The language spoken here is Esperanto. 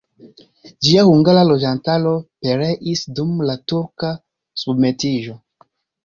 Ĝia hungara loĝantaro pereis dum la turka submetiĝo.